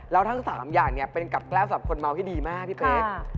แล้วทั้ง๓อย่างเป็นกับแก้วสำหรับคนเมาที่ดีมากพี่เป๊ก